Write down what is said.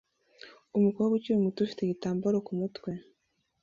Umukobwa ukiri muto ufite igitambaro ku mutwe